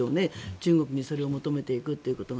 中国にそれを求めていくということが。